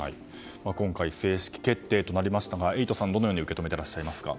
今回正式決定となりましたがエイトさんどのように受け止めていらっしゃいますか。